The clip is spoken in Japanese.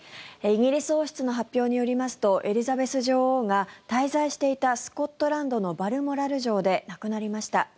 イギリス王室の発表によりますと、エリザベス女王が滞在していたスコットランドのバルモラル城で亡くなりました。